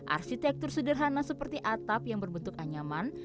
arsitektur sederhana seperti atap yang berbentuk anyaman